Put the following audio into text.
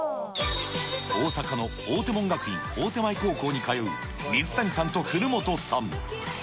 大阪の追手門学院大手前高校に通う水谷さんと古本さん。